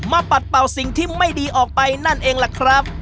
ปัดเป่าสิ่งที่ไม่ดีออกไปนั่นเองล่ะครับ